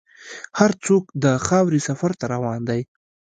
هر څوک د خاورې سفر ته روان دی.